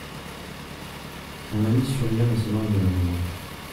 Mon amie Surya va se marier dans un mois.